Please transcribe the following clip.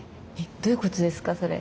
どういうことですかそれ。